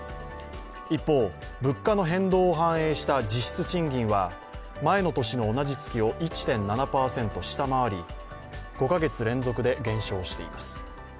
一方、物価の変動を反映した実質賃金は前の年の同じ月を１．７％下回り５か月連続で減少しています。